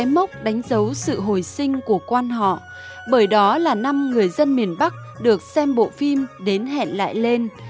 hai mốc đánh dấu sự hồi sinh của quan họ bởi đó là năm người dân miền bắc được xem bộ phim đến hẹn lại lên